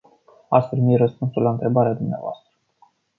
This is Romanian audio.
Ați primit răspunsul la întrebarea dvs.